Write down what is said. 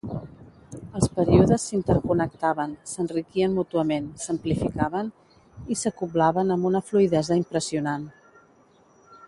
Els períodes s"interconnectaven, s"enriquien mútuament, s"amplificaven i s"acoblaven amb una fluidesa impressionant.